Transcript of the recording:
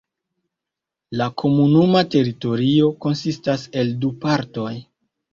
La komunuma teritorio konsistas el du partoj.